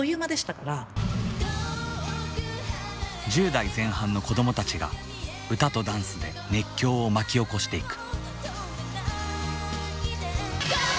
１０代前半の子どもたちが歌とダンスで熱狂を巻き起こしていく。